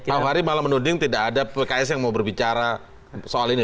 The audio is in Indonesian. pak fahri malah menuding tidak ada pks yang mau berbicara soal ini